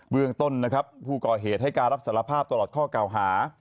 เรื่องต้นนะครับผู้ก่อเหตุให้การรับสารภาพตลอดข้อเก่าหา